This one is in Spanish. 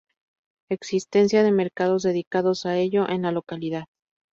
Existencia de mercados dedicados a ello en la localidad